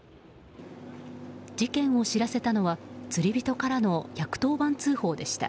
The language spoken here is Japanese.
事件を知らせたのは釣り人からの１１０番通報でした。